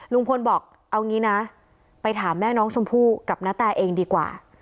ลุงพลบอกเอางี้นะไปถามแม่น้องชมพู่กับณแตเองดีกว่า